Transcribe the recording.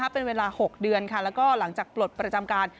เป็นเวลา๖เดือนแล้วก็หลังจากปลดประจำการ